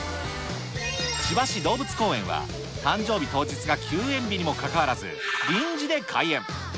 千葉市動物公園は、誕生日当日が休園日にもかかわらず、臨時で開園。